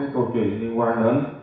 câu chuyện liên quan đến